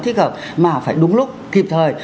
thích hợp mà phải đúng lúc kịp thời